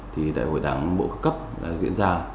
hai nghìn hai mươi thì đại hội đảng bộ cấp cấp diễn ra